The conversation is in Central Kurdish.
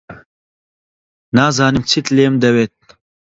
نازانم چیت لێم دەوێت.